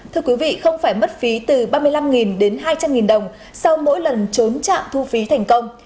thưa quý vị không phải mất phí từ ba mươi năm đến hai trăm linh đồng sau mỗi lần trốn trạm thu phí thành công